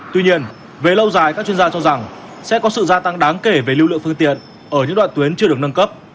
tuy nhiên về lâu dài các chuyên gia cho rằng sẽ có sự gia tăng đáng kể về lưu lượng phương tiện ở những đoạn tuyến chưa được nâng cấp